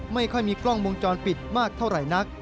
ไม่ค่อยมีกล้องวงจรปิดมากเท่าไหร่นัก